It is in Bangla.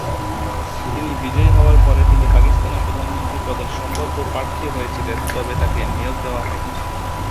নির্বাচনে বিজয়ী হওয়ার পরে তিনি পাকিস্তানের প্রধানমন্ত্রী পদের সম্ভাব্য প্রার্থী হয়েছিলেন তবে তাকে নিয়োগ দেওয়া হয়নি।